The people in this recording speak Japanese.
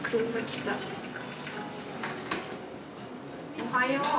おはよう。